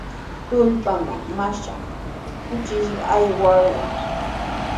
Tullpanman mashakuq kushishqa aywarqan.